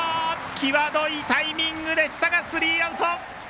際どいタイミングでしたがスリーアウト！